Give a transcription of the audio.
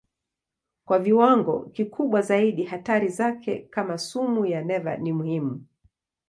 Kwa viwango kikubwa zaidi hatari zake kama sumu ya neva ni muhimu.